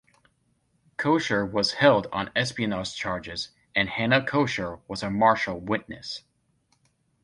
Koecher was held on espionage charges and Hana Koecher as a material witness.